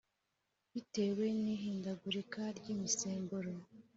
bitewe n ihindagurika ry imisemburo